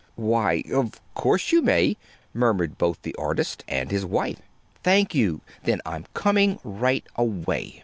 "Why, of course you may," murmured both the artist and his wife. "Thank you. Then I'm coming right away.